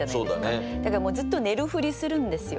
だからもうずっと寝るふりするんですよ。